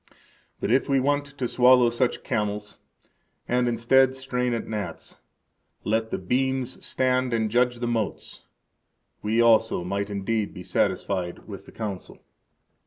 But if we want to swallow such camels, and, instead, strain at gnats, let the beams stand and judge the motes, we also might indeed be satisfied with the Council.